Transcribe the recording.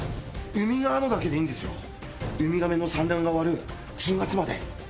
海側のだけでいいんですよ、ウミガメの産卵が終わる１０月まで。